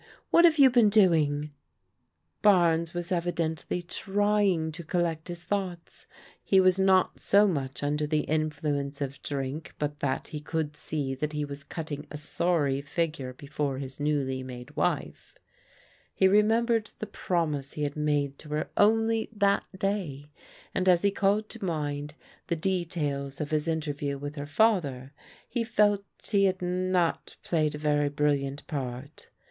What have you been doing? " ELEANOR AND PEGGY DEFIANT 196 Barnes was evidently trying to collect his thoughts^ He was not so much under the influence of drink but that he could see that he was cutting a sorry figure before his newly made wife. He remembered the promise he had made to her only that day, and as he called to mind the details of his interview with her father, he felt he had not played a very brilliant part.